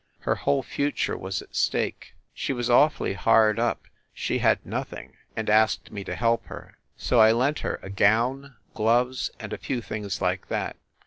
Her whole future was at stake. She was awfully hard up she had nothing and asked me to help her. So I lent her a gown, gloves, and a few things like that.